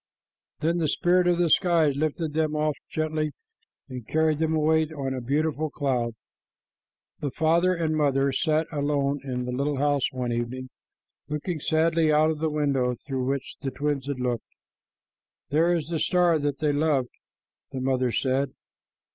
Then the spirit of the skies lifted them up gently and carried them away on a beautiful cloud. The father and mother sat alone in the little house one evening, looking sadly out of the window through which the twins had looked. "There is the star that they loved," the mother said.